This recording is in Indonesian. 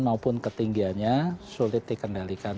maupun ketinggiannya sulit dikendalikan